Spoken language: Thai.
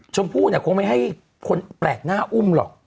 ชมพู่เนี่ยคงไม่ให้คนแปลกหน้าอุ้มหรอก